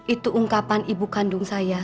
itu ungkapan ibu kandung saya